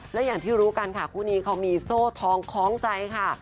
และอย่างที่รู้กันค่ะคู่นี้เขามีโซ่ทองคล้องใจค่ะ